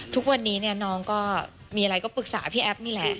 ทุกวันนี้เนี่ยน้องก็มีอะไรก็ปรึกษาพี่แอฟนี่แหละ